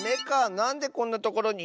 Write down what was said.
なんでこんなところに。